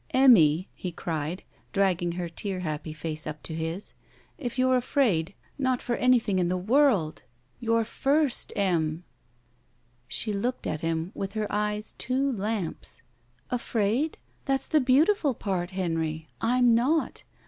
"Emmy," he cried, dragging her tear happy face up to his, "if you're afraid — ^not for anything in the world! You're ^r5^, Em." She looked at him with her eyes two lamps. "Afraid? That's the beautiful part, Henry. I'm not.